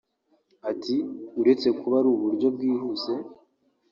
Ati “Uretse kuba ari uburyo bwihuse